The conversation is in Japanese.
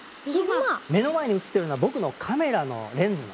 目の前に写ってるのは僕のカメラのレンズね。